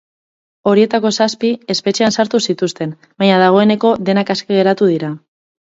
Horietako zazpi espetxean sartu zituzten, baina dagoeneko denak aske geratu dira.